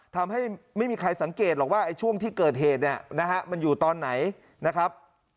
ทำให้ไม่มีใครสังเกตหรอกว่าช่วงที่เกิดเหตุเนี่ยนะฮะมันอยู่ตอนไหนนะครับ